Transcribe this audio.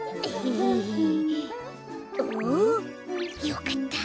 よかった。